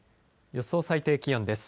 予想最低気温です。